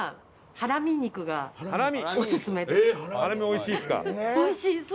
ハラミおいしいですか？